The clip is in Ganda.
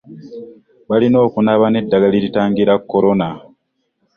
Balina okunaaba n'eddagala eritangira Corona